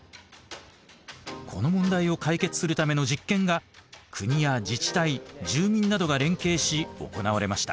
この問題を解決するための実験が国や自治体住民などが連携し行われました。